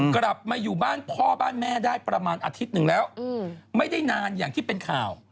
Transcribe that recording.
กลับมาอยู่บ้านพ่อบ้านแม่ได้ประมาณอาทิตย์หนึ่งแล้วไม่ได้นานอย่างที่เป็นข่าว